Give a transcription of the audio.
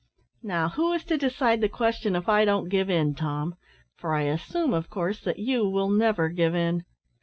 "Now, who is to decide the question if I don't give in, Tom? For I assume, of course, that you will never give in."